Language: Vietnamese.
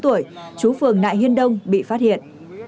ba mươi chín tuổi chú phường nại hiên đông bị phát hiện